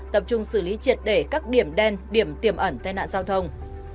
tập trung xử lý triệt để các điểm đen điểm tiềm ẩn tai nạn giao thông